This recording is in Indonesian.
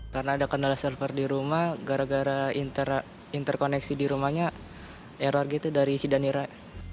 karena ada kendala server di rumah gara gara interkoneksi di rumahnya error gitu dari isi dan nirai